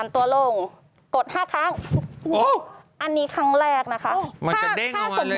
มันจะเด้งออกมาเลย